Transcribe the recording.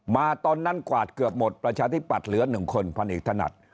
ตอนนั้นกวาดเกือบหมดประชาธิปัตย์เหลือ๑คนพันเอกถนัด